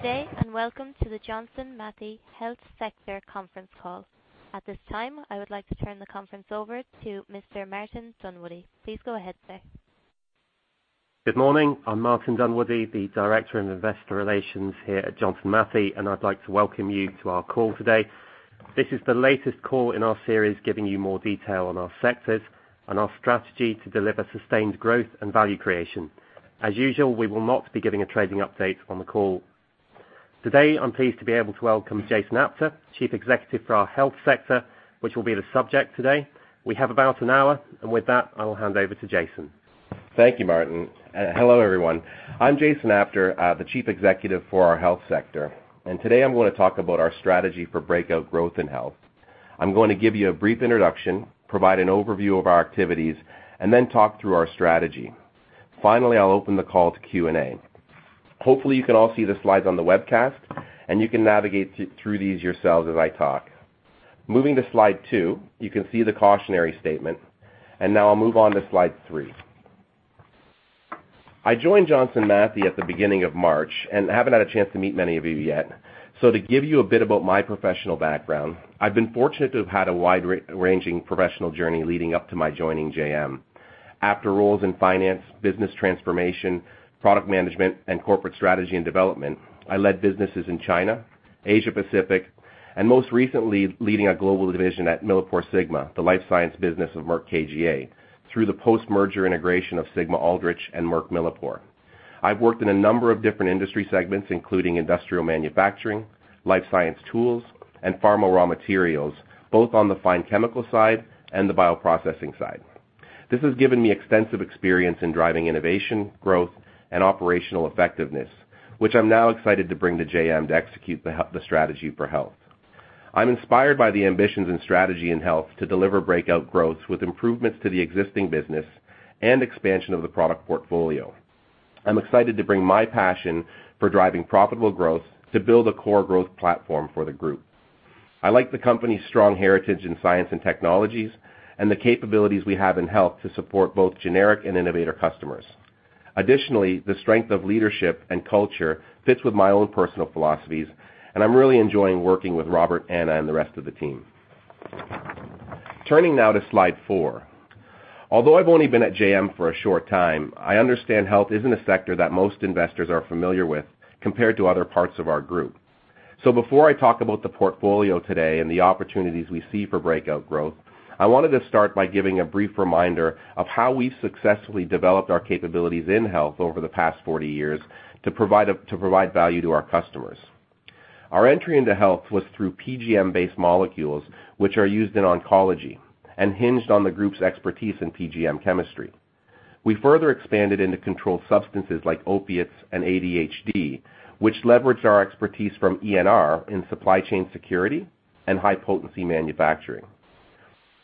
Good day. Welcome to the Johnson Matthey Health Sector conference call. At this time, I would like to turn the conference over to Mr. Martin Dunwoodie. Please go ahead, sir. Good morning. I'm Martin Dunwoodie, the Director of Investor Relations here at Johnson Matthey. I'd like to welcome you to our call today. This is the latest call in our series, giving you more detail on our sectors and our strategy to deliver sustained growth and value creation. As usual, we will not be giving a trading update on the call. Today, I'm pleased to be able to welcome Jason Apter, Chief Executive for our Health Sector, which will be the subject today. We have about an hour. With that, I will hand over to Jason. Thank you, Martin. Hello, everyone. I'm Jason Apter, the Chief Executive for our Health Sector. Today, I'm going to talk about our strategy for breakout growth in health. I'm going to give you a brief introduction, provide an overview of our activities. Then talk through our strategy. Finally, I'll open the call to Q&A. Hopefully, you can all see the slides on the webcast. You can navigate through these yourselves as I talk. Moving to slide two, you can see the cautionary statement. Now I'll move on to slide three. I joined Johnson Matthey at the beginning of March and haven't had a chance to meet many of you yet. To give you a bit about my professional background, I've been fortunate to have had a wide-ranging professional journey leading up to my joining JM. After roles in finance, business transformation, product management, corporate strategy and development, I led businesses in China, Asia Pacific, most recently leading a global division at MilliporeSigma, the life science business of Merck KGaA, through the post-merger integration of Sigma-Aldrich and Merck Millipore. I've worked in a number of different industry segments, including industrial manufacturing, life science tools, pharma raw materials, both on the fine chemical side and the bioprocessing side. This has given me extensive experience in driving innovation, growth, and operational effectiveness, which I'm now excited to bring to JM to execute the strategy for health. I'm inspired by the ambitions and strategy in health to deliver breakout growth with improvements to the existing business and expansion of the product portfolio. I'm excited to bring my passion for driving profitable growth to build a core growth platform for the group. I like the company's strong heritage in science and technologies and the capabilities we have in health to support both generic and innovator customers. The strength of leadership and culture fits with my own personal philosophies, and I'm really enjoying working with Robert, Anna, and the rest of the team. Turning now to slide four. Although I've only been at JM for a short time, I understand health isn't a sector that most investors are familiar with compared to other parts of our group. Before I talk about the portfolio today and the opportunities we see for breakout growth, I wanted to start by giving a brief reminder of how we've successfully developed our capabilities in health over the past 40 years to provide value to our customers. Our entry into health was through PGM-based molecules, which are used in oncology and hinged on the group's expertise in PGM chemistry. We further expanded into controlled substances like opiates and ADHD, which leveraged our expertise from ENR in supply chain security and high-potency manufacturing.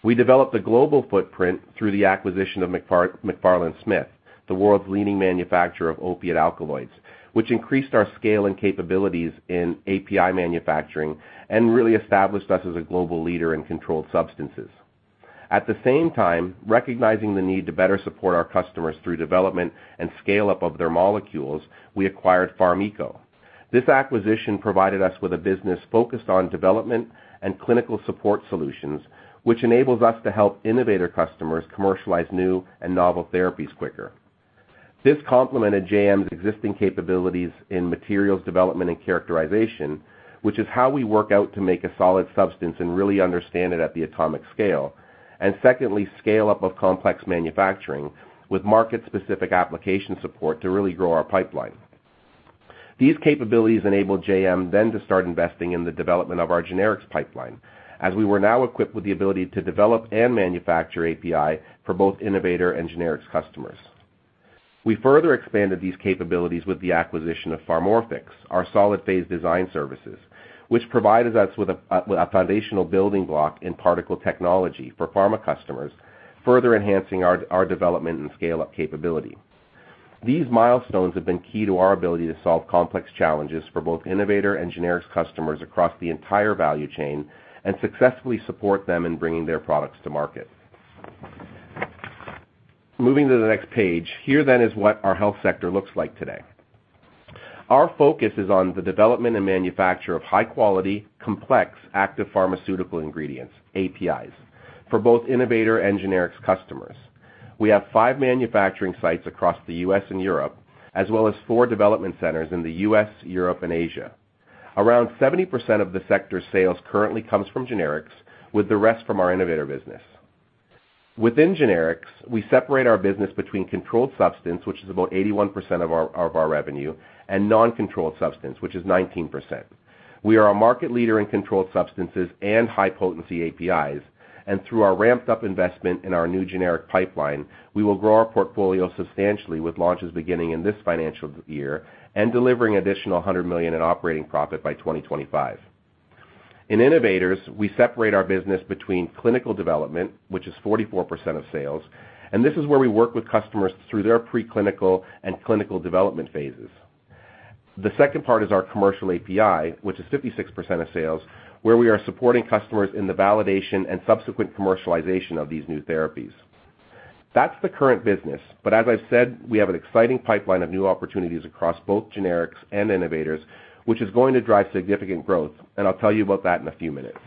We developed a global footprint through the acquisition of Macfarlan Smith, the world's leading manufacturer of opiate alkaloids, which increased our scale and capabilities in API manufacturing and really established us as a global leader in controlled substances. At the same time, recognizing the need to better support our customers through development and scale-up of their molecules, we acquired Pharm-Eco. This acquisition provided us with a business focused on development and clinical support solutions, which enables us to help innovator customers commercialize new and novel therapies quicker. This complemented JM's existing capabilities in materials development and characterization, which is how we work out to make a solid substance and really understand it at the atomic scale, and secondly, scale up of complex manufacturing with market-specific application support to really grow our pipeline. These capabilities enabled JM to start investing in the development of our generics pipeline, as we were now equipped with the ability to develop and manufacture API for both innovator and generics customers. We further expanded these capabilities with the acquisition of Pharmorphix, our solid-phase design services, which provided us with a foundational building block in particle technology for pharma customers, further enhancing our development and scale-up capability. These milestones have been key to our ability to solve complex challenges for both innovator and generics customers across the entire value chain and successfully support them in bringing their products to market. Moving to the next page. Here is what our health sector looks like today. Our focus is on the development and manufacture of high-quality, complex active pharmaceutical ingredients, APIs, for both innovator and generics customers. We have five manufacturing sites across the U.S. and Europe, as well as four development centers in the U.S., Europe, and Asia. Around 70% of the sector's sales currently comes from generics, with the rest from our innovator business. Within generics, we separate our business between controlled substance, which is about 81% of our revenue, and non-controlled substance, which is 19%. We are a market leader in controlled substances and high-potency APIs, and through our ramped-up investment in our new generic pipeline, we will grow our portfolio substantially with launches beginning in this financial year and delivering additional 100 million in operating profit by 2025. In innovators, we separate our business between clinical development, which is 44% of sales, and this is where we work with customers through their preclinical and clinical development phases. The second part is our commercial API, which is 56% of sales, where we are supporting customers in the validation and subsequent commercialization of these new therapies. That's the current business. As I've said, we have an exciting pipeline of new opportunities across both generics and innovators, which is going to drive significant growth, and I'll tell you about that in a few minutes.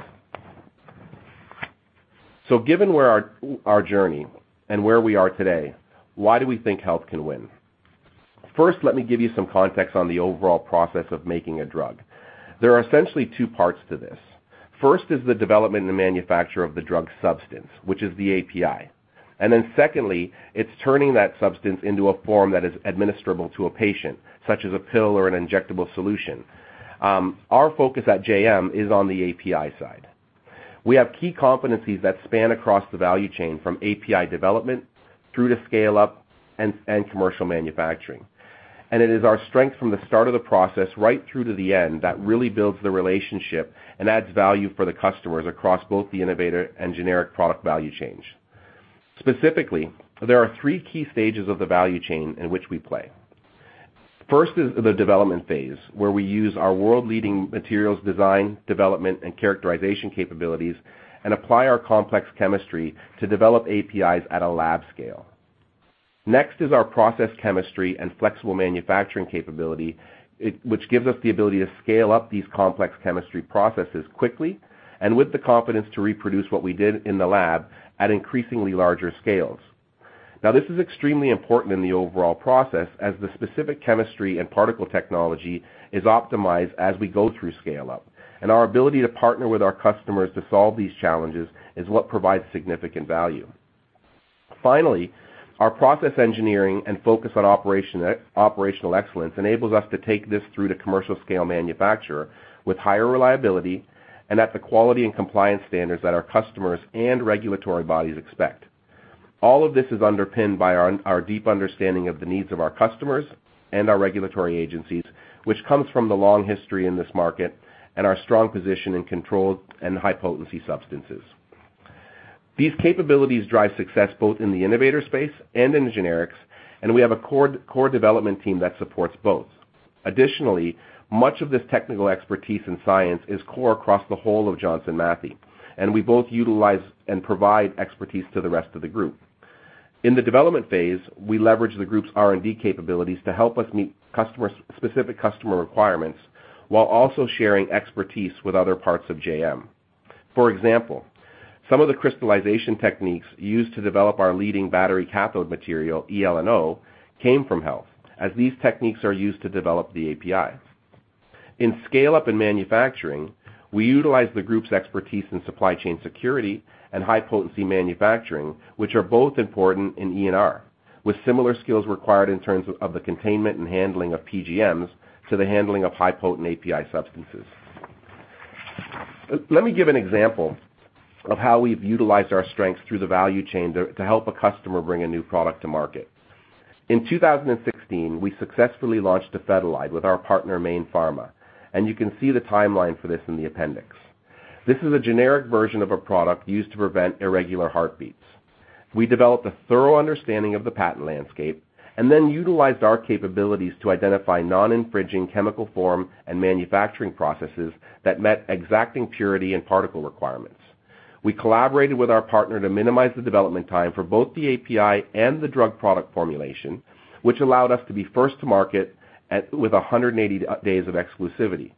Given our journey and where we are today, why do we think Health can win? First, let me give you some context on the overall process of making a drug. There are essentially two parts to this. First is the development and manufacture of the drug substance, which is the API. Secondly, it's turning that substance into a form that is administrable to a patient, such as a pill or an injectable solution. Our focus at JM is on the API side. We have key competencies that span across the value chain from API development through to scale-up and commercial manufacturing. It is our strength from the start of the process right through to the end that really builds the relationship and adds value for the customers across both the innovator and generic product value chains. Specifically, there are three key stages of the value chain in which we play. First is the development phase, where we use our world-leading materials design, development, and characterization capabilities and apply our complex chemistry to develop APIs at a lab scale. Next is our process chemistry and flexible manufacturing capability, which gives us the ability to scale up these complex chemistry processes quickly and with the confidence to reproduce what we did in the lab at increasingly larger scales. This is extremely important in the overall process as the specific chemistry and particle technology is optimized as we go through scale-up. Our ability to partner with our customers to solve these challenges is what provides significant value. Finally, our process engineering and focus on operational excellence enables us to take this through to commercial-scale manufacture with higher reliability and at the quality and compliance standards that our customers and regulatory bodies expect. All of this is underpinned by our deep understanding of the needs of our customers and our regulatory agencies, which comes from the long history in this market and our strong position in controlled and high-potency substances. These capabilities drive success both in the innovator space and in generics, and we have a core development team that supports both. Additionally, much of this technical expertise in science is core across the whole of Johnson Matthey, and we both utilize and provide expertise to the rest of the group. In the development phase, we leverage the group's R&D capabilities to help us meet specific customer requirements while also sharing expertise with other parts of JM. For example, some of the crystallization techniques used to develop our leading battery cathode material, eLNO, came from Health, as these techniques are used to develop the APIs. In scale-up and manufacturing, we utilize the group's expertise in supply chain security and high-potency manufacturing, which are both important in ENR, with similar skills required in terms of the containment and handling of PGMs to the handling of high-potent API substances. Let me give an example of how we've utilized our strengths through the value chain to help a customer bring a new product to market. In 2016, we successfully launched dofetilide with our partner, Mayne Pharma, and you can see the timeline for this in the appendix. This is a generic version of a product used to prevent irregular heartbeats. We developed a thorough understanding of the patent landscape and then utilized our capabilities to identify non-infringing chemical form and manufacturing processes that met exacting purity and particle requirements. We collaborated with our partner to minimize the development time for both the API and the drug product formulation, which allowed us to be first to market with 180 days of exclusivity.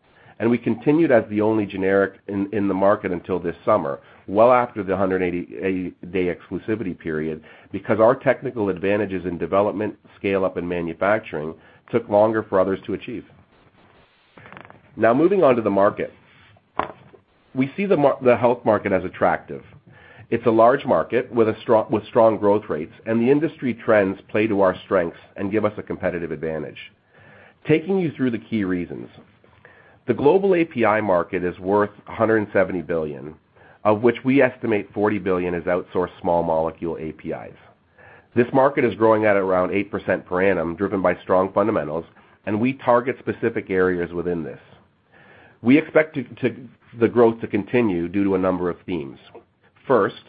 We continued as the only generic in the market until this summer, well after the 180-day exclusivity period, because our technical advantages in development, scale-up, and manufacturing took longer for others to achieve. Now, moving on to the market. We see the health market as attractive. It's a large market with strong growth rates, and the industry trends play to our strengths and give us a competitive advantage. Taking you through the key reasons. The global API market is worth 170 billion, of which we estimate 40 billion is outsourced small-molecule APIs. This market is growing at around 8% per annum, driven by strong fundamentals, and we target specific areas within this. We expect the growth to continue due to a number of themes. First,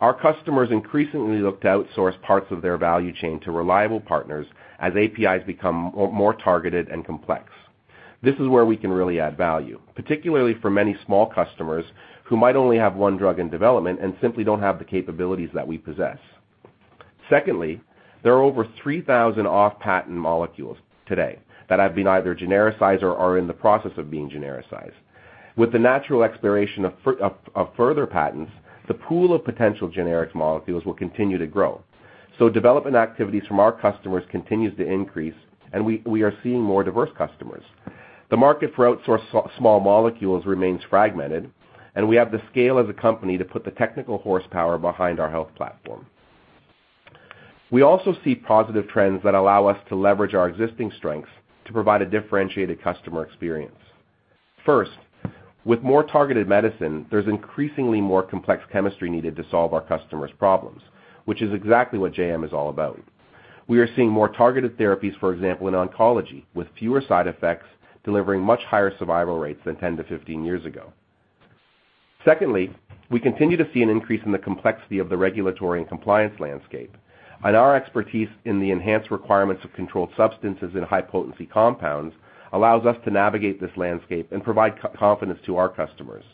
our customers increasingly look to outsource parts of their value chain to reliable partners as APIs become more targeted and complex. This is where we can really add value, particularly for many small customers who might only have one drug in development and simply don't have the capabilities that we possess. Secondly, there are over 3,000 off-patent molecules today that have been either genericized or are in the process of being genericized. With the natural expiration of further patents, the pool of potential generic molecules will continue to grow. Development activities from our customers continues to increase, we are seeing more diverse customers. The market for outsourced small molecules remains fragmented, we have the scale as a company to put the technical horsepower behind our health platform. We also see positive trends that allow us to leverage our existing strengths to provide a differentiated customer experience. First, with more targeted medicine, there's increasingly more complex chemistry needed to solve our customers' problems, which is exactly what JM is all about. We are seeing more targeted therapies, for example, in oncology, with fewer side effects, delivering much higher survival rates than 10 to 15 years ago. Secondly, we continue to see an increase in the complexity of the regulatory and compliance landscape, our expertise in the enhanced requirements of controlled substances and high-potency compounds allows us to navigate this landscape and provide confidence to our customers.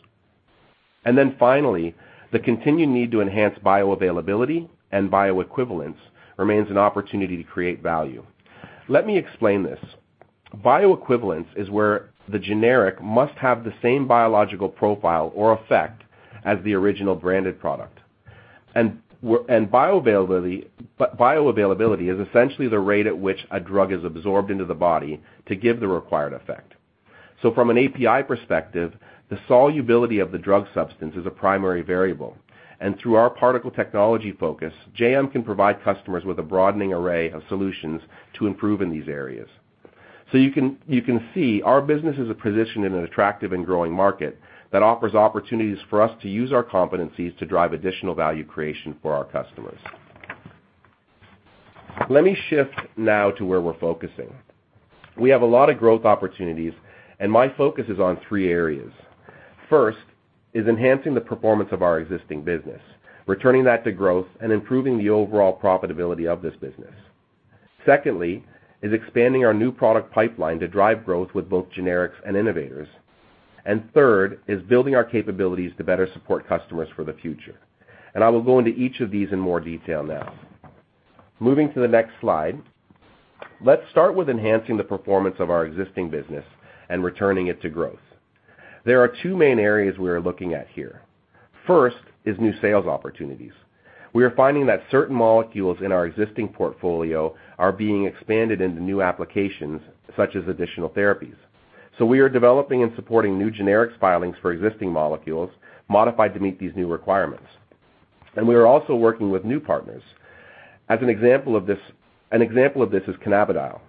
Finally, the continued need to enhance bioavailability and bioequivalence remains an opportunity to create value. Let me explain this. Bioequivalence is where the generic must have the same biological profile or effect as the original branded product. Bioavailability is essentially the rate at which a drug is absorbed into the body to give the required effect. From an API perspective, the solubility of the drug substance is a primary variable, and through our particle technology focus, JM can provide customers with a broadening array of solutions to improve in these areas. You can see our business is positioned in an attractive and growing market that offers opportunities for us to use our competencies to drive additional value creation for our customers. Let me shift now to where we're focusing. We have a lot of growth opportunities, and my focus is on three areas. First is enhancing the performance of our existing business, returning that to growth, and improving the overall profitability of this business. Secondly is expanding our new product pipeline to drive growth with both generics and innovators. Third is building our capabilities to better support customers for the future. I will go into each of these in more detail now. Moving to the next slide. Let's start with enhancing the performance of our existing business and returning it to growth. There are two main areas we are looking at here. First is new sales opportunities. We are finding that certain molecules in our existing portfolio are being expanded into new applications, such as additional therapies. We are developing and supporting new generics filings for existing molecules, modified to meet these new requirements. We are also working with new partners. An example of this is cannabidiol,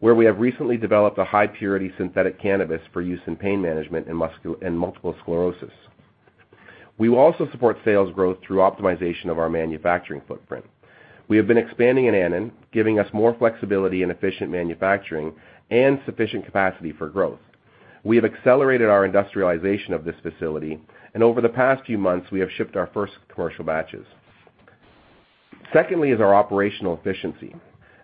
where we have recently developed a high-purity synthetic cannabis for use in pain management in multiple sclerosis. We will also support sales growth through optimization of our manufacturing footprint. We have been expanding in Annan, giving us more flexibility in efficient manufacturing and sufficient capacity for growth. We have accelerated our industrialization of this facility, and over the past few months, we have shipped our first commercial batches. Secondly is our operational efficiency.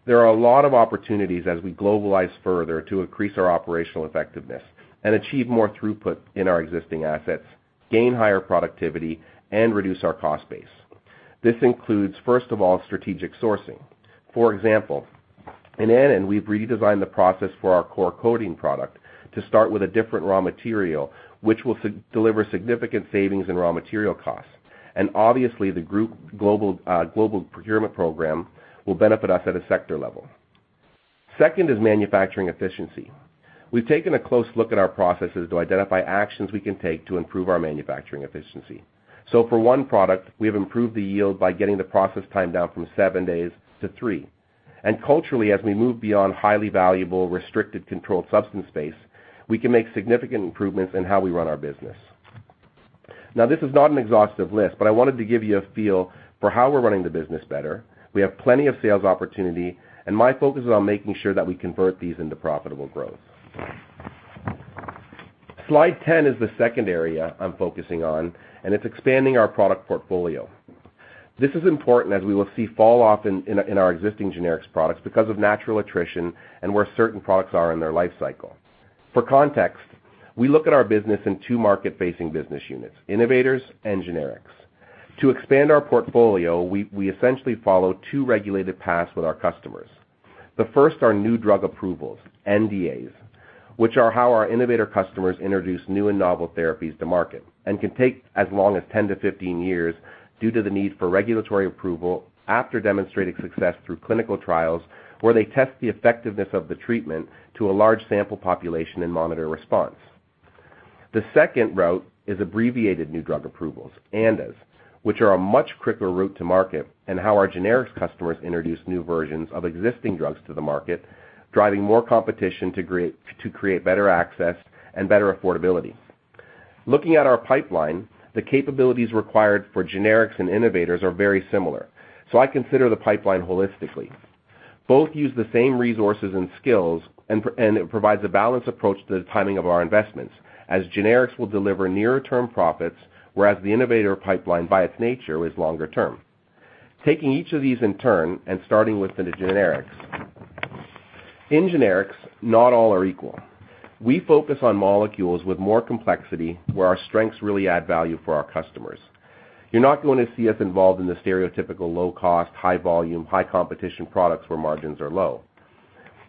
There are a lot of opportunities as we globalize further to increase our operational effectiveness and achieve more throughput in our existing assets, gain higher productivity, and reduce our cost base. This includes, first of all, strategic sourcing. For example, in Annan, we've redesigned the process for our core coating product to start with a different raw material, which will deliver significant savings in raw material costs. Obviously, the group global procurement program will benefit us at a sector level. Second is manufacturing efficiency. We've taken a close look at our processes to identify actions we can take to improve our manufacturing efficiency. For one product, we have improved the yield by getting the process time down from seven days to three. Culturally, as we move beyond highly valuable, restricted, controlled substance space, we can make significant improvements in how we run our business. Now, this is not an exhaustive list, but I wanted to give you a feel for how we're running the business better. We have plenty of sales opportunity, and my focus is on making sure that we convert these into profitable growth. Slide 10 is the second area I'm focusing on, and it's expanding our product portfolio. This is important as we will see fall off in our existing generics products because of natural attrition and where certain products are in their life cycle. For context, we look at our business in two market-facing business units, innovators and generics. To expand our portfolio, we essentially follow two regulated paths with our customers. The first are new drug approvals, NDAs, which are how our innovator customers introduce new and novel therapies to market and can take as long as 10 to 15 years due to the need for regulatory approval after demonstrating success through clinical trials where they test the effectiveness of the treatment to a large sample population and monitor response. The second route is abbreviated new drug approvals, ANDAs, which are a much quicker route to market and how our generics customers introduce new versions of existing drugs to the market, driving more competition to create better access and better affordability. Looking at our pipeline, the capabilities required for generics and innovators are very similar. I consider the pipeline holistically. Both use the same resources and skills. It provides a balanced approach to the timing of our investments, as generics will deliver nearer-term profits, whereas the innovator pipeline, by its nature, is longer term. Taking each of these in turn and starting with the generics. In generics, not all are equal. We focus on molecules with more complexity, where our strengths really add value for our customers. You're not going to see us involved in the stereotypical low-cost, high-volume, high-competition products where margins are low.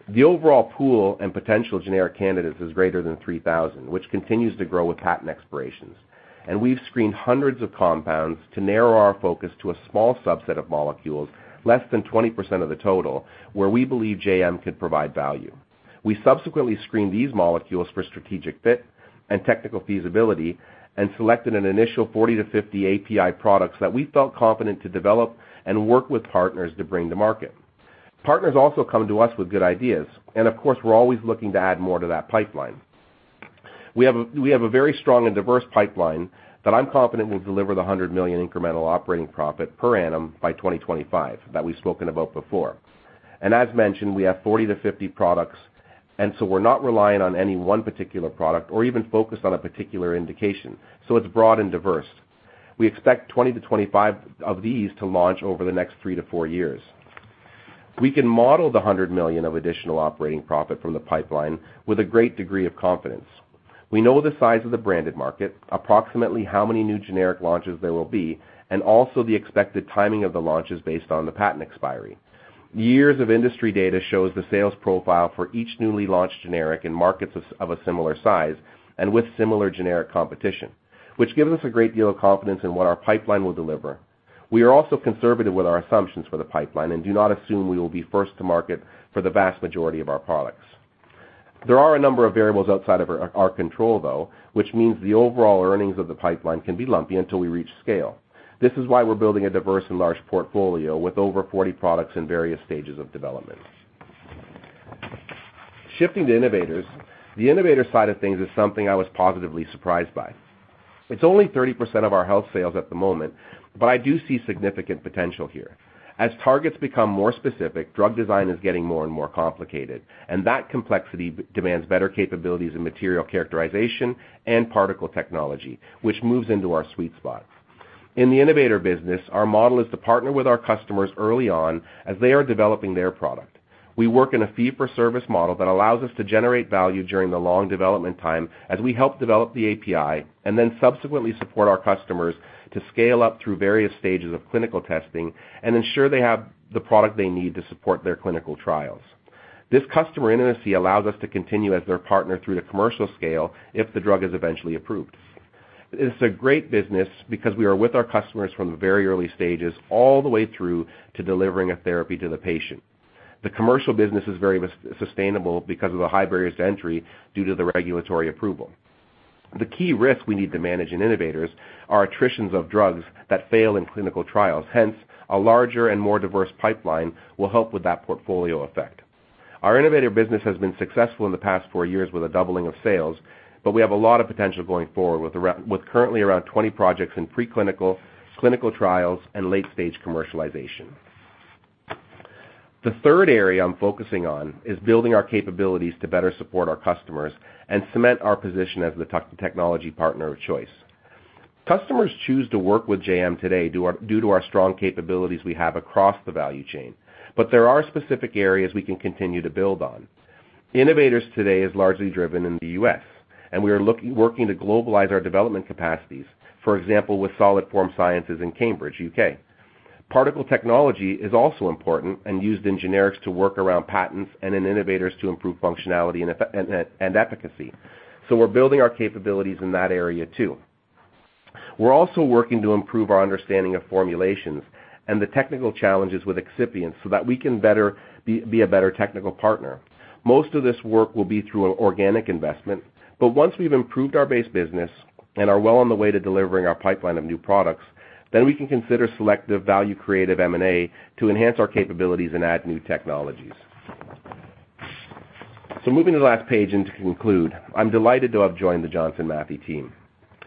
The overall pool and potential generic candidates is greater than 3,000, which continues to grow with patent expirations. We've screened hundreds of compounds to narrow our focus to a small subset of molecules, less than 20% of the total, where we believe JM can provide value. We subsequently screened these molecules for strategic fit and technical feasibility and selected an initial 40 to 50 API products that we felt confident to develop and work with partners to bring to market. Partners also come to us with good ideas, and of course, we're always looking to add more to that pipeline. We have a very strong and diverse pipeline that I'm confident will deliver the 100 million incremental operating profit per annum by 2025 that we've spoken about before. As mentioned, we have 40 to 50 products, and so we're not relying on any one particular product or even focused on a particular indication, so it's broad and diverse. We expect 20 to 25 of these to launch over the next three to four years. We can model the 100 million of additional operating profit from the pipeline with a great degree of confidence. We know the size of the branded market, approximately how many new generic launches there will be, and also the expected timing of the launches based on the patent expiry. Years of industry data shows the sales profile for each newly launched generic in markets of a similar size and with similar generic competition, which gives us a great deal of confidence in what our pipeline will deliver. We are also conservative with our assumptions for the pipeline and do not assume we will be first to market for the vast majority of our products. There are a number of variables outside of our control, though, which means the overall earnings of the pipeline can be lumpy until we reach scale. This is why we're building a diverse and large portfolio with over 40 products in various stages of development. Shifting to innovators, the innovator side of things is something I was positively surprised by. It's only 30% of our health sales at the moment, but I do see significant potential here. As targets become more specific, drug design is getting more and more complicated, and that complexity demands better capabilities in material characterization and particle technology, which moves into our sweet spot. In the innovator business, our model is to partner with our customers early on as they are developing their product. We work in a fee-for-service model that allows us to generate value during the long development time as we help develop the API and then subsequently support our customers to scale up through various stages of clinical testing and ensure they have the product they need to support their clinical trials. This customer intimacy allows us to continue as their partner through to commercial scale if the drug is eventually approved. It's a great business because we are with our customers from the very early stages all the way through to delivering a therapy to the patient. The commercial business is very sustainable because of the high barriers to entry due to the regulatory approval. The key risks we need to manage in innovators are attritions of drugs that fail in clinical trials. Hence, a larger and more diverse pipeline will help with that portfolio effect. Our innovator business has been successful in the past four years with a doubling of sales, but we have a lot of potential going forward with currently around 20 projects in pre-clinical, clinical trials, and late-stage commercialization. The third area I'm focusing on is building our capabilities to better support our customers and cement our position as the technology partner of choice. Customers choose to work with JM today due to our strong capabilities we have across the value chain, but there are specific areas we can continue to build on. Innovators today is largely driven in the U.S., and we are working to globalize our development capacities, for example, with Solid Form Sciences in Cambridge, U.K. Particle technology is also important and used in generics to work around patents and in innovators to improve functionality and efficacy. We're building our capabilities in that area, too. We're also working to improve our understanding of formulations and the technical challenges with excipients so that we can be a better technical partner. Most of this work will be through an organic investment, but once we've improved our base business and are well on the way to delivering our pipeline of new products, then we can consider selective value-creative M&A to enhance our capabilities and add new technologies. Moving to the last page and to conclude, I'm delighted to have joined the Johnson Matthey team.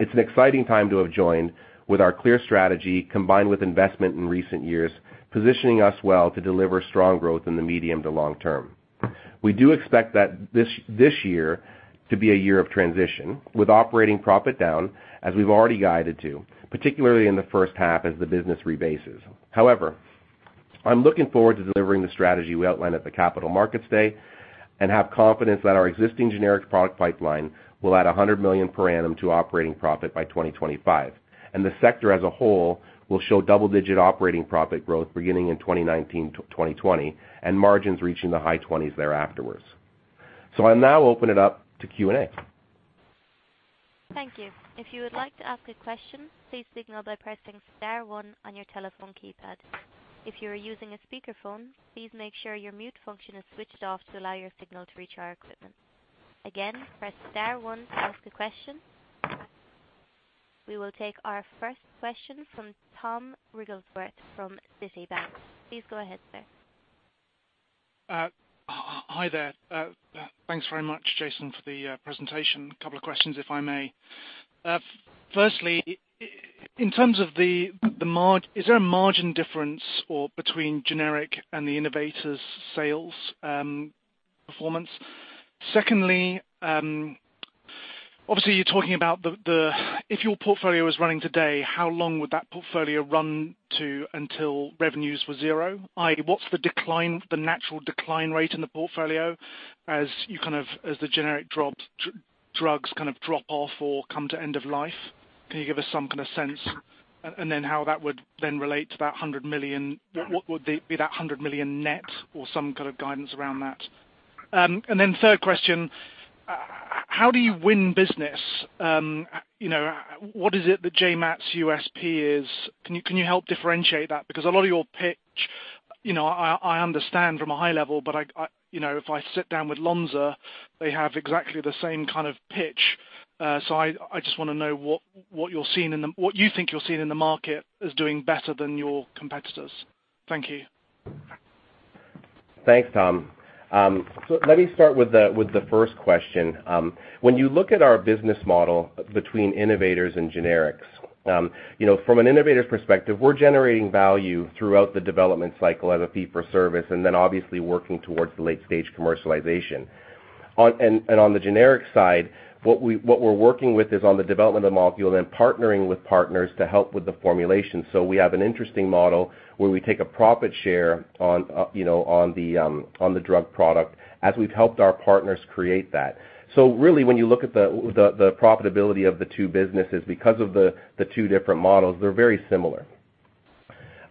It's an exciting time to have joined with our clear strategy, combined with investment in recent years, positioning us well to deliver strong growth in the medium to long term. We do expect that this year to be a year of transition, with operating profit down as we've already guided to, particularly in the first half as the business rebases. I'm looking forward to delivering the strategy we outlined at the Capital Markets Day and have confidence that our existing generic product pipeline will add 100 million per annum to operating profit by 2025, and the sector as a whole will show double-digit operating profit growth beginning in 2019 to 2020, and margins reaching the high twenties thereafterwards. I'll now open it up to Q&A. Thank you. If you would like to ask a question, please signal by pressing star one on your telephone keypad. If you are using a speakerphone, please make sure your mute function is switched off to allow your signal to reach our equipment. Again, press star one to ask a question. We will take our first question from Tom Wrigglesworth from Citibank. Please go ahead, sir. Hi there. Thanks very much, Jason, for the presentation. A couple of questions, if I may. Firstly, in terms of the margin, is there a margin difference between generic and the innovators' sales performance? Secondly, obviously, you're talking about if your portfolio was running today, how long would that portfolio run until revenues were zero? i.e., what's the natural decline rate in the portfolio as the generic drugs drop off or come to end of life? Can you give us some sense and then how that would then relate to that 100 million? Would that be 100 million net or some kind of guidance around that? Then third question, how do you win business? What is it that JMAT's USP is? Can you help differentiate that? A lot of your pitch, I understand from a high level, but if I sit down with Lonza, they have exactly the same kind of pitch. I just want to know what you think you're seeing in the market as doing better than your competitors. Thank you. Thanks, Tom. Let me start with the first question. When you look at our business model between innovators and generics, from an innovator's perspective, we're generating value throughout the development cycle as a fee-for-service, obviously working towards the late-stage commercialization. On the generic side, what we're working with is on the development of molecule and then partnering with partners to help with the formulation. We have an interesting model where we take a profit share on the drug product as we've helped our partners create that. Really when you look at the profitability of the two businesses, because of the two different models, they're very similar.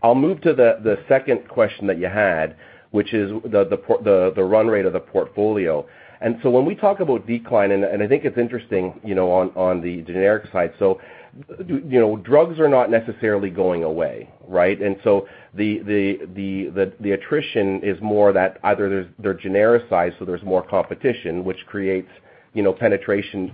I'll move to the second question that you had, which is the run rate of the portfolio. When we talk about decline, I think it's interesting on the generic side. Drugs are not necessarily going away, right? The attrition is more that either they're genericized, so there's more competition, which creates penetration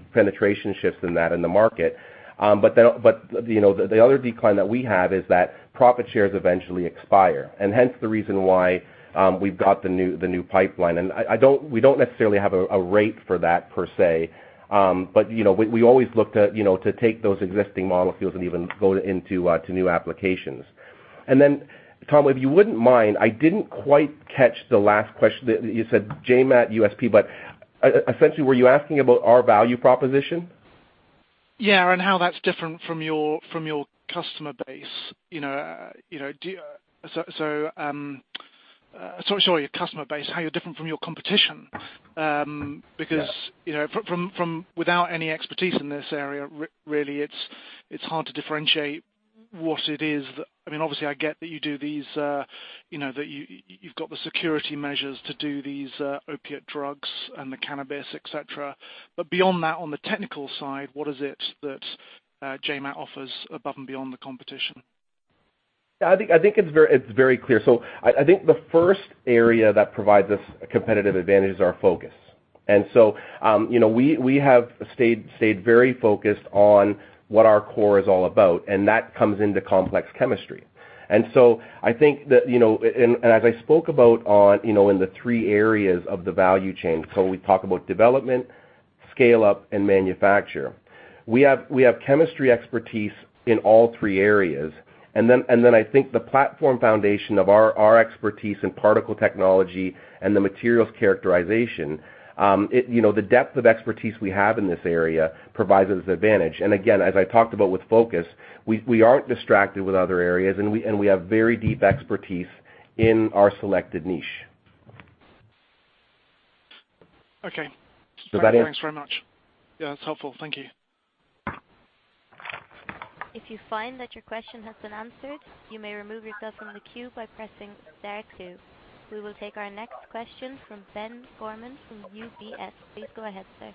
shifts in that in the market. The other decline that we have is that profit shares eventually expire, hence the reason why we've got the new pipeline. We don't necessarily have a rate for that per se. We always look to take those existing molecules and even go into new applications. Tom, if you wouldn't mind, I didn't quite catch the last question. You said JMAT, USP, but essentially, were you asking about our value proposition? Yeah. How that's different from your customer base. Sorry, your customer base, how you're different from your competition. Yeah. From without any expertise in this area, really it's hard to differentiate what it is. Obviously, I get that you've got the security measures to do these opiate drugs and the cannabis, et cetera. Beyond that, on the technical side, what is it that JMAT offers above and beyond the competition? I think it's very clear. I think the first area that provides us a competitive advantage is our focus. We have stayed very focused on what our core is all about, and that comes into complex chemistry. As I spoke about in the three areas of the value chain, so we talk about development, scale-up, and manufacture. We have chemistry expertise in all three areas. I think the platform foundation of our expertise in particle technology and the materials characterization. The depth of expertise we have in this area provides us advantage. Again, as I talked about with focus, we aren't distracted with other areas, and we have very deep expertise in our selected niche. Okay. Does that answer? Thanks very much. Yeah, that's helpful. Thank you. If you find that your question has been answered, you may remove yourself from the queue by pressing star two. We will take our next question from Ben Gorman from UBS. Please go ahead, sir.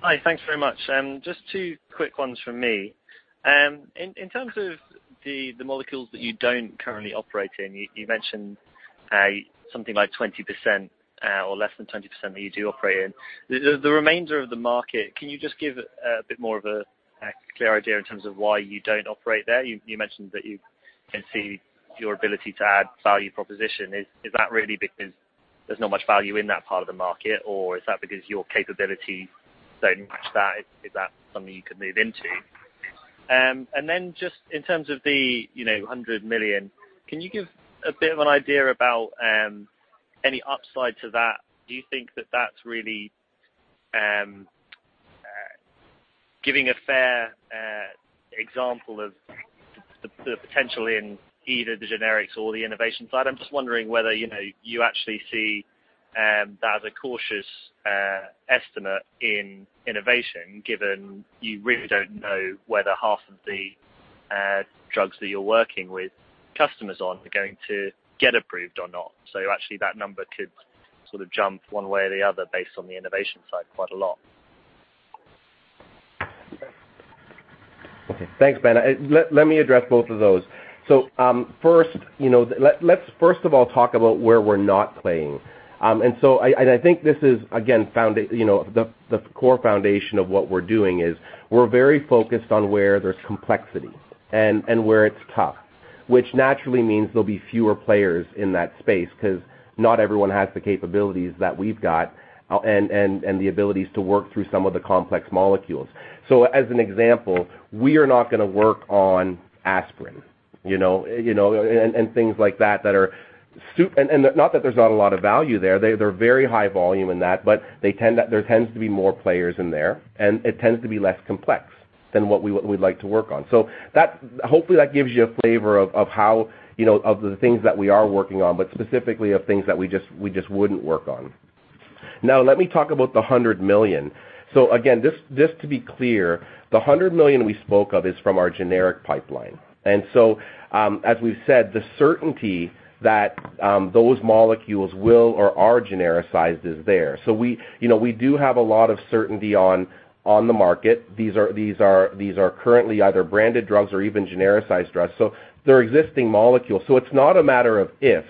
Hi, thanks very much. Just two quick ones from me. In terms of the molecules that you don't currently operate in, you mentioned something like 20% or less than 20% that you do operate in. The remainder of the market, can you just give a bit more of a clear idea in terms of why you don't operate there? You mentioned that you can see your ability to add value proposition. Is that really because there's not much value in that part of the market, or is that because your capabilities don't match that? Is that something you can move into? Just in terms of the 100 million, can you give a bit of an idea about any upside to that? Do you think that that's really giving a fair example of the potential in either the generics or the innovation side? I'm just wondering whether you actually see that as a cautious estimate in innovation, given you really don't know whether half of the drugs that you're working with customers on are going to get approved or not. That number could sort of jump one way or the other based on the innovation side quite a lot. Okay. Thanks, Ben. Let me address both of those. First, let's first of all talk about where we're not playing. I think this is, again, the core foundation of what we're doing is we're very focused on where there's complexity and where it's tough, which naturally means there'll be fewer players in that space because not everyone has the capabilities that we've got and the abilities to work through some of the complex molecules. As an example, we are not going to work on aspirin and things like that. Not that there's not a lot of value there, they're very high volume and that, but there tends to be more players in there, and it tends to be less complex than what we would like to work on. Hopefully that gives you a flavor of the things that we are working on, but specifically of things that we just wouldn't work on. Now let me talk about the 100 million. Again, just to be clear, the 100 million we spoke of is from our generic pipeline. As we've said, the certainty that those molecules will or are genericized is there. We do have a lot of certainty on the market. These are currently either branded drugs or even genericized drugs, so they're existing molecules. It's not a matter of if,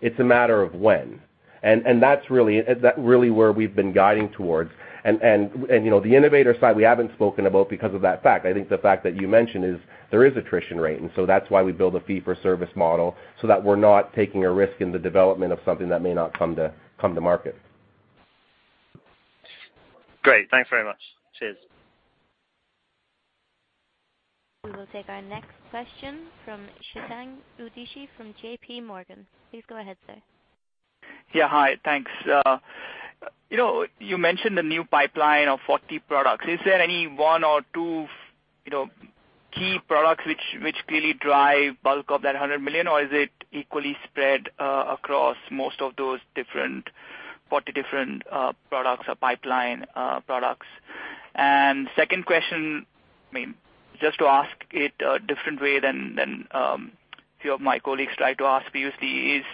it's a matter of when. That's really where we've been guiding towards. The innovator side we haven't spoken about because of that fact. I think the fact that you mentioned is there is attrition rate, so that's why we build a fee-for-service model so that we're not taking a risk in the development of something that may not come to market. Great. Thanks very much. Cheers. We will take our next question from Chetan Udeshi from JP Morgan. Please go ahead, sir. Yeah. Hi, thanks. You mentioned the new pipeline of 40 products. Is there any one or two key products which clearly drive bulk of that 100 million, or is it equally spread across most of those 40 different products or pipeline products? Second question, just to ask it a different way than few of my colleagues tried to ask previously is,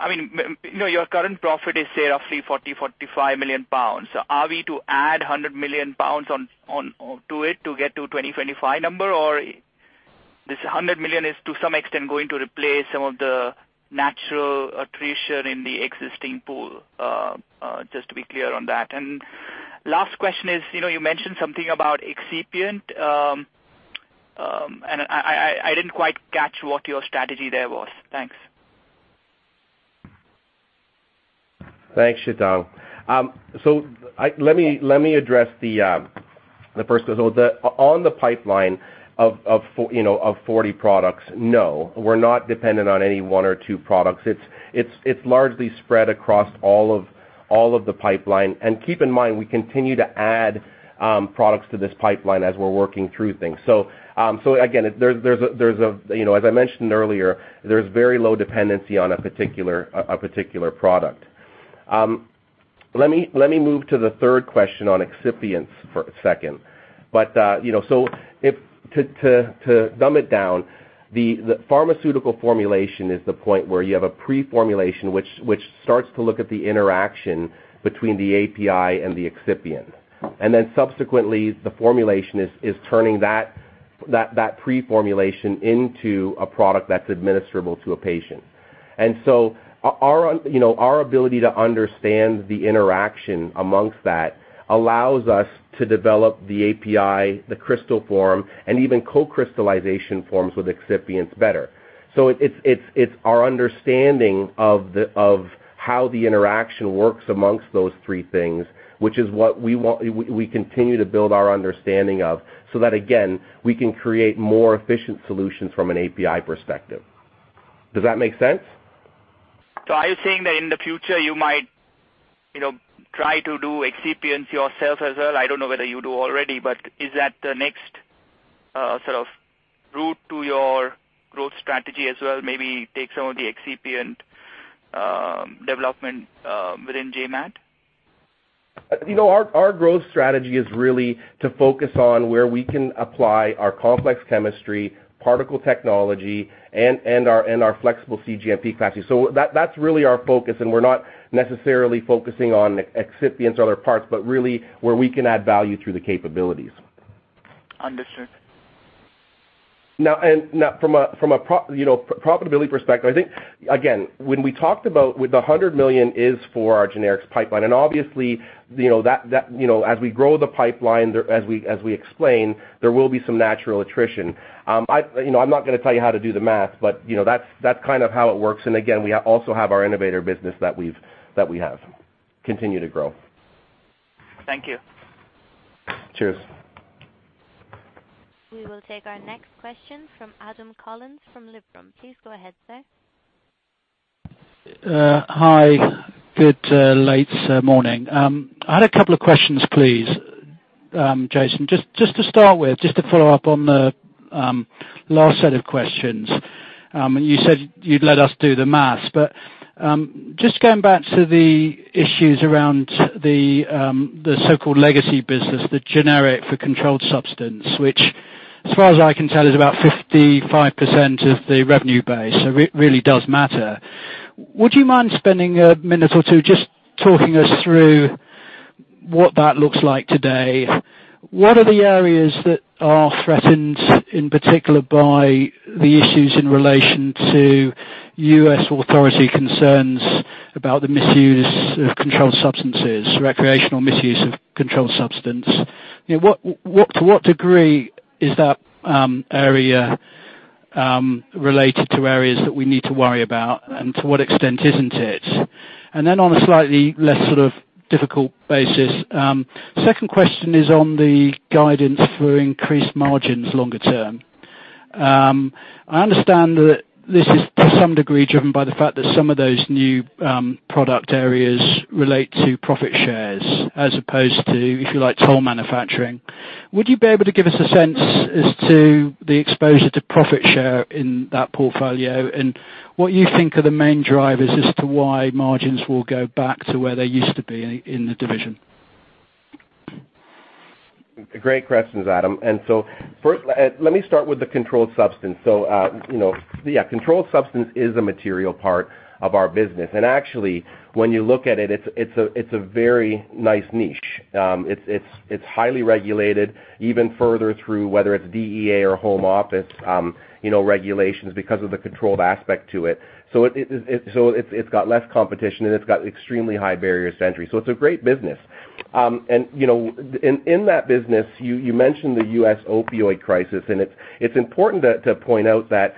your current profit is roughly 40 million-45 million pounds. Are we to add 100 million pounds to it to get to 2025 number, or this 100 million is to some extent going to replace some of the natural attrition in the existing pool? Just to be clear on that. Last question is, you mentioned something about excipient, and I didn't quite catch what your strategy there was. Thanks. Thanks, Chetan. Let me address the first result. On the pipeline of 40 products, no, we're not dependent on any one or two products. It's largely spread across all of the pipeline. Keep in mind, we continue to add products to this pipeline as we're working through things. Again, as I mentioned earlier, there's very low dependency on a particular product. Let me move to the third question on excipient for a second. To dumb it down, the pharmaceutical formulation is the point where you have a pre-formulation, which starts to look at the interaction between the API and the excipient. Subsequently, the formulation is turning that pre-formulation into a product that's administrable to a patient. Our ability to understand the interaction amongst that allows us to develop the API, the crystal form, and even co-crystallization forms with excipients better. It's our understanding of how the interaction works amongst those three things, which is what we continue to build our understanding of, so that again, we can create more efficient solutions from an API perspective. Does that make sense? Are you saying that in the future you might try to do excipient yourself as well? I don't know whether you do already, but is that the next sort of route to your growth strategy as well? Maybe take some of the excipient development within JMAT? Our growth strategy is really to focus on where we can apply our complex chemistry, particle technology, and our flexible cGMP capacity. That's really our focus, and we're not necessarily focusing on excipients or other parts, but really where we can add value through the capabilities. Understood. From a profitability perspective, I think, again, when we talked about with the 100 million is for our generics pipeline, obviously as we grow the pipeline, as we explain, there will be some natural attrition. I am not going to tell you how to do the math, but that is kind of how it works. Again, we also have our innovator business that we have continued to grow. Thank you. Cheers. We will take our next question from Adam Collins, from Liberum. Please go ahead, sir. Hi. Good late morning. I had a couple of questions, please, Jason. Just to start with, just to follow up on the last set of questions. You said you would let us do the math, just going back to the issues around the so-called legacy business, the generic for controlled substance, which as far as I can tell, is about 55% of the revenue base, it really does matter. Would you mind spending a minute or two just talking us through what that looks like today? What are the areas that are threatened, in particular by the issues in relation to U.S. authority concerns about the misuse of controlled substances, recreational misuse of controlled substance? To what degree is that area related to areas that we need to worry about, to what extent is not it? On a slightly less sort of difficult basis, second question is on the guidance for increased margins longer term. I understand that this is to some degree driven by the fact that some of those new product areas relate to profit shares as opposed to, if you like, toll manufacturing. Would you be able to give us a sense as to the exposure to profit share in that portfolio and what you think are the main drivers as to why margins will go back to where they used to be in the division? Great questions, Adam. First, let me start with the controlled substance. Controlled substance is a material part of our business. Actually, when you look at it's a very nice niche. It's highly regulated, even further through, whether it's DEA or home office regulations because of the controlled aspect to it. It's got less competition and it's got extremely high barriers to entry. It's a great business. In that business, you mentioned the U.S. opioid crisis, and it's important to point out that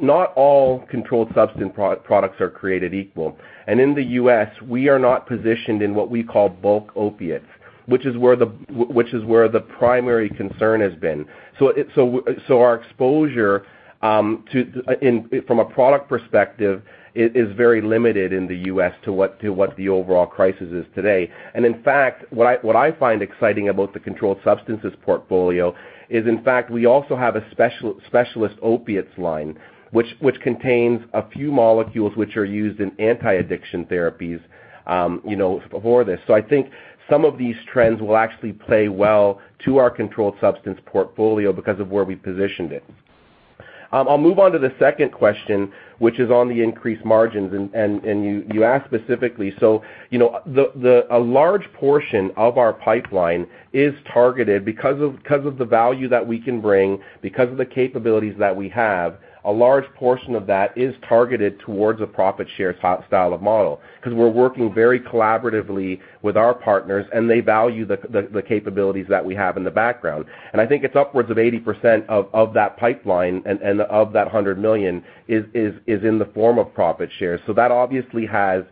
not all controlled substance products are created equal. In the U.S., we are not positioned in what we call bulk opiates, which is where the primary concern has been. Our exposure from a product perspective is very limited in the U.S. to what the overall crisis is today. In fact, what I find exciting about the controlled substances portfolio is, in fact, we also have a specialist opiates line, which contains a few molecules which are used in anti-addiction therapies before this. I think some of these trends will actually play well to our controlled substance portfolio because of where we positioned it. I'll move on to the second question, which is on the increased margins. You asked specifically. A large portion of our pipeline is targeted because of the value that we can bring, because of the capabilities that we have. A large portion of that is targeted towards a profit share style of model because we're working very collaboratively with our partners, and they value the capabilities that we have in the background. I think it's upwards of 80% of that pipeline and of that 100 million is in the form of profit shares. That obviously has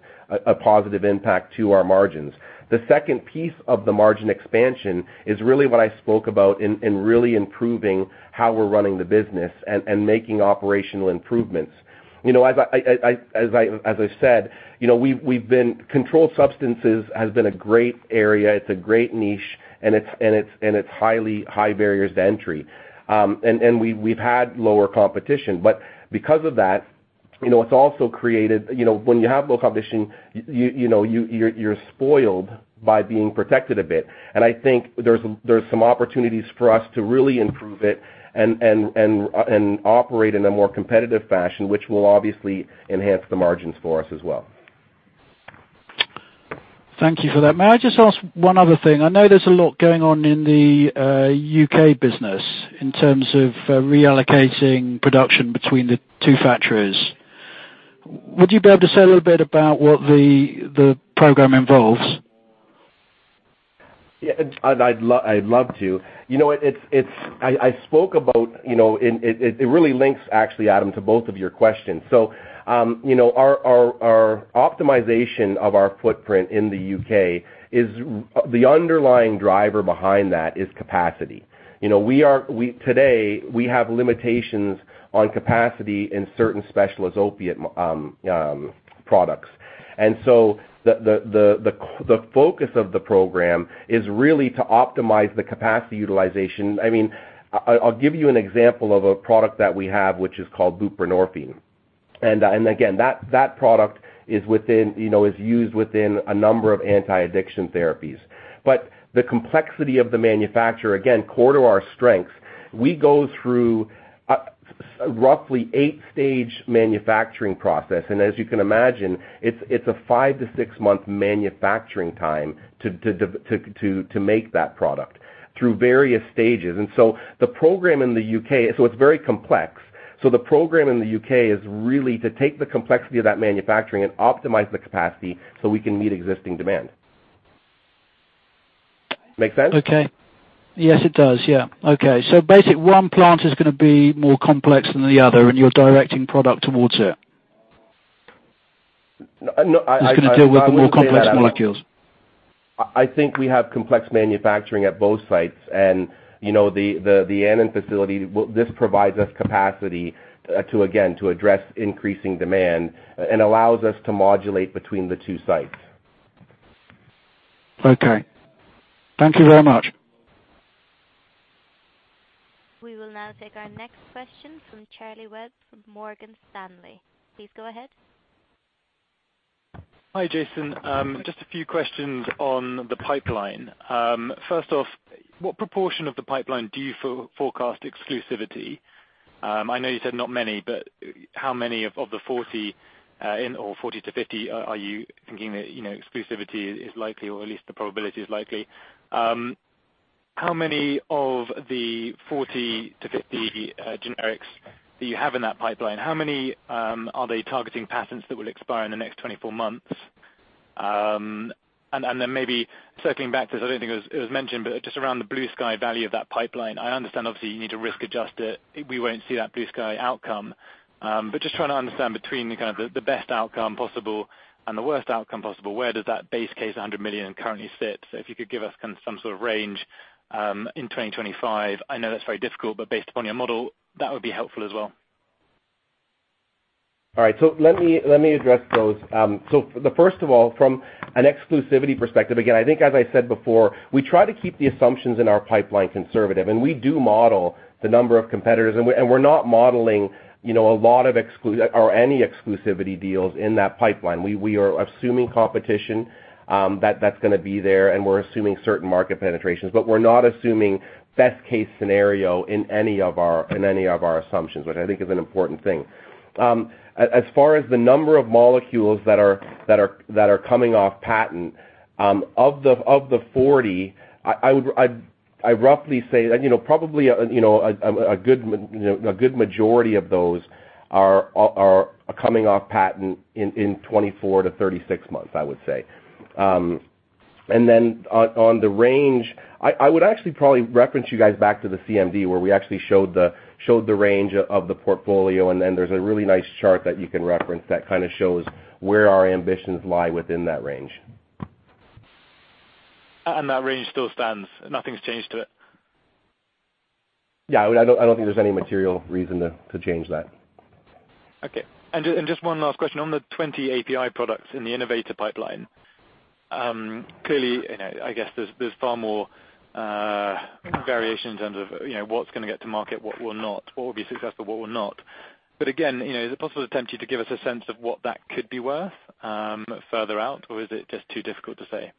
a positive impact to our margins. The second piece of the margin expansion is really what I spoke about in really improving how we're running the business and making operational improvements. As I said, controlled substances has been a great area. It's a great niche, and it's high barriers to entry. We've had lower competition. Because of that, when you have low competition, you're spoiled by being protected a bit. I think there's some opportunities for us to really improve it and operate in a more competitive fashion, which will obviously enhance the margins for us as well. Thank you for that. May I just ask one other thing? I know there's a lot going on in the U.K. business in terms of reallocating production between the two factories. Would you be able to say a little bit about what the program involves? Yeah. I'd love to. I spoke about, it really links actually, Adam, to both of your questions. Our optimization of our footprint in the U.K., the underlying driver behind that is capacity. Today, we have limitations on capacity in certain specialist opiate products. The focus of the program is really to optimize the capacity utilization. I'll give you an example of a product that we have, which is called buprenorphine. Again, that product is used within a number of anti-addiction therapies. The complexity of the manufacturer, again, core to our strengths, we go through roughly 8-stage manufacturing process. As you can imagine, it's a five to six-month manufacturing time to make that product through various stages. It's very complex. The program in the U.K. is really to take the complexity of that manufacturing and optimize the capacity so we can meet existing demand. Make sense? Okay. Yes, it does. Yeah. Okay. Basically, one plant is going to be more complex than the other, and you're directing product towards it. No, I wouldn't say that. It's going to deal with the more complex molecules. I think we have complex manufacturing at both sites. The Annan facility, this provides us capacity to, again, to address increasing demand and allows us to modulate between the two sites. Okay. Thank you very much. We will now take our next question from Charles Webb of Morgan Stanley. Please go ahead. Hi, Jason. Just a few questions on the pipeline. First off, what proportion of the pipeline do you forecast exclusivity? I know you said not many, but how many of the 40 or 40 to 50 are you thinking that exclusivity is likely or at least the probability is likely? How many of the 40 to 50 generics that you have in that pipeline, how many are they targeting patents that will expire in the next 24 months? Maybe circling back because I don't think it was mentioned, but just around the blue sky value of that pipeline. I understand obviously you need to risk adjust it. We won't see that blue sky outcome. But just trying to understand between the best outcome possible and the worst outcome possible, where does that base case 100 million currently sit? If you could give us some sort of range in 2025. I know that's very difficult, but based upon your model, that would be helpful as well. All right. Let me address those. First of all, from an exclusivity perspective, again, I think as I said before, we try to keep the assumptions in our pipeline conservative, and we do model the number of competitors, and we're not modeling a lot of or any exclusivity deals in that pipeline. We are assuming competition that's going to be there, and we're assuming certain market penetrations, but we're not assuming best case scenario in any of our assumptions, which I think is an important thing. As far as the number of molecules that are coming off patent, of the 40, I roughly say that probably a good majority of those are coming off patent in 24 to 36 months, I would say. On the range, I would actually probably reference you guys back to the CMD, where we actually showed the range of the portfolio, and there's a really nice chart that you can reference that shows where our ambitions lie within that range. That range still stands. Nothing's changed to it. Yeah. I don't think there's any material reason to change that. Okay. Just one last question, on the 20 API products in the innovator pipeline, clearly, I guess there's far more variation in terms of what's going to get to market, what will not, what will be successful, what will not. Again, is it possible to attempt you to give us a sense of what that could be worth further out, or is it just too difficult to say?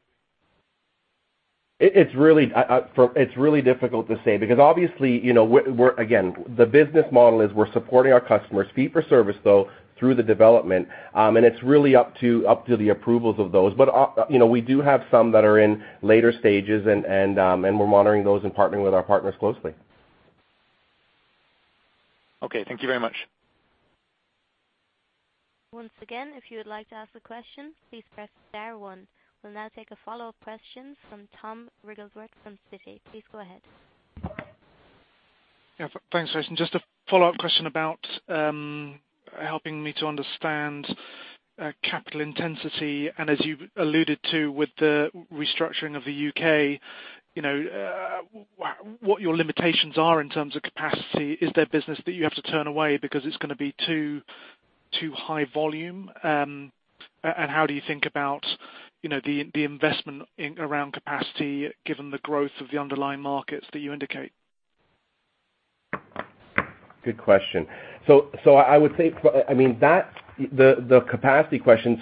It's really difficult to say because obviously, again, the business model is we're supporting our customers fee for service, though, through the development, and it's really up to the approvals of those. We do have some that are in later stages and we're monitoring those and partnering with our partners closely. Okay, thank you very much. Once again, if you would like to ask a question, please press star one. We'll now take a follow-up question from Tom Wrigglesworth from Citi. Please go ahead. Yeah, thanks Jason. Just a follow-up question about helping me to understand capital intensity and as you alluded to with the restructuring of the U.K., what your limitations are in terms of capacity. Is there business that you have to turn away because it's going to be too high volume? How do you think about the investment around capacity given the growth of the underlying markets that you indicate? Good question. I would say the capacity question,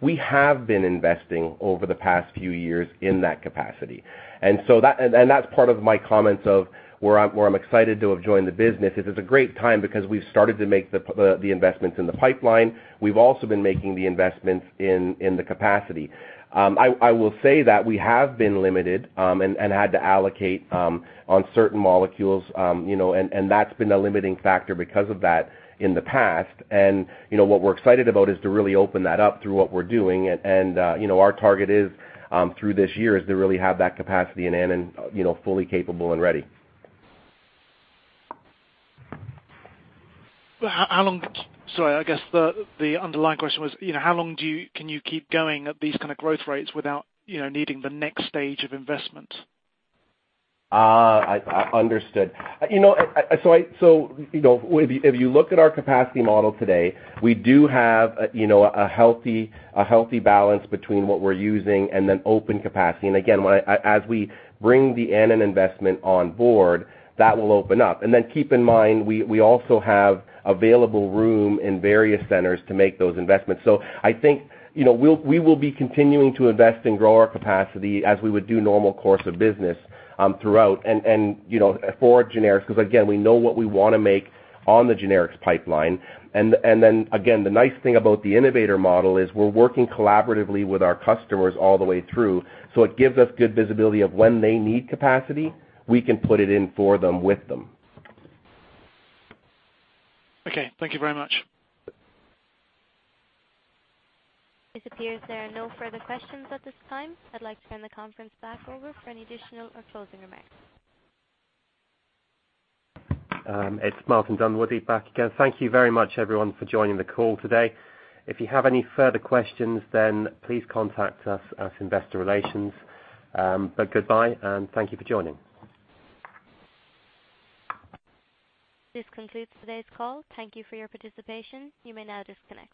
we have been investing over the past few years in that capacity. That's part of my comments of where I'm excited to have joined the business is it's a great time because we've started to make the investments in the pipeline. We've also been making the investments in the capacity. I will say that we have been limited and had to allocate on certain molecules. That's been a limiting factor because of that in the past. What we're excited about is to really open that up through what we're doing. Our target is through this year is to really have that capacity in Annan fully capable and ready. Sorry, I guess the underlying question was how long can you keep going at these kind of growth rates without needing the next stage of investment? Understood. If you look at our capacity model today, we do have a healthy balance between what we're using and then open capacity. Again, as we bring the Annan investment on board, that will open up. Keep in mind, we also have available room in various centers to make those investments. I think we will be continuing to invest and grow our capacity as we would do normal course of business throughout and for generics, because again, we know what we want to make on the generics pipeline. Again, the nice thing about the innovator model is we're working collaboratively with our customers all the way through. It gives us good visibility of when they need capacity, we can put it in for them with them. Okay. Thank you very much. It appears there are no further questions at this time. I'd like to turn the conference back over for any additional or closing remarks. It's Martin Dunwoodie back again. Thank you very much, everyone, for joining the call today. If you have any further questions, please contact us at investor relations. Goodbye, and thank you for joining. This concludes today's call. Thank you for your participation. You may now disconnect.